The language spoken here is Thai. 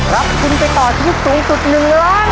รับทุนไปต่อชีวิตสูงสุด๑ล้านบาท